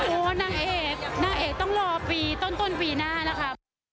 โอ้โหนางเอกนางเอกต้องรอปีต้นปีหน้านะครับ